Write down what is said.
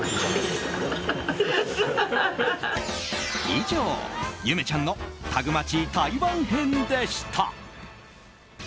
以上、ゆめちゃんのタグマチ台湾編でした。